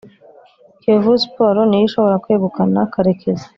Kiyovu Sports ni yo ishobora kwegukana Karekezi